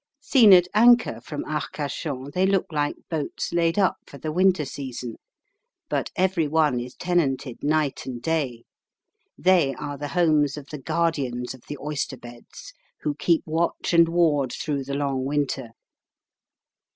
Seen at anchor from Arcachon they look like boats laid up for the winter season; but every one is tenanted night and day. They are the homes of the guardians of the oyster beds, who keep watch and ward through the long winter.